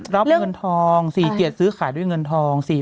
รับเงินทอง๔๗ซื้อขายด้วยเงินทอง